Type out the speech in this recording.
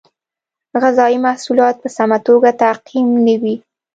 غذایي محصولات په سمه توګه تعقیم نه وي.